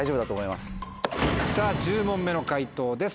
１０問目の解答です